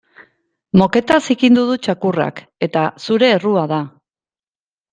Moketa zikindu du txakurrak eta zure errua da.